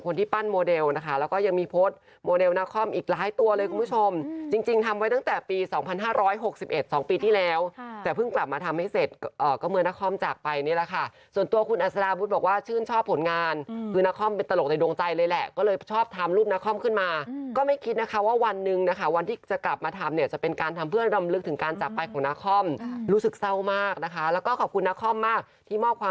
แล้วก็ยังมีโพสต์โมเดลนักคล่อมอีกหลายตัวเลยคุณผู้ชมจริงทำไว้ตั้งแต่ปี๒๕๖๑๒ปีที่แล้วแต่พึ่งกลับมาทำให้เสร็จก็เมืองนักคล่อมจากไปเนี่ยแหละค่ะส่วนตัวคุณอัตซาบุ๊ดบอกว่าชื่นชอบผลงานคือนักคล่อมเป็นตลกในดวงใจเลยแหละก็เลยชอบทำรูปนักคล่อมขึ้นมาก็ไม่คิดนะคะว่าวันนึงนะคะวั